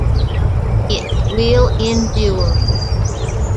It Will Endure.